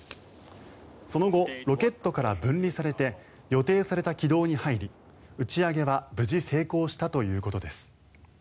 その後、ロケットから分離されて予定された軌道に入り打ち上げは無事成功したということです。